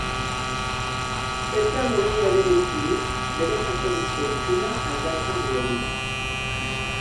Ez dago ia elementurik bere jatorrizko itxura aldatzen duenik.